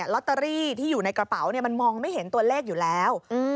ลอตเตอรี่ที่อยู่ในกระเป๋ามันมองไม่เห็นตัวเลขอยู่แล้ว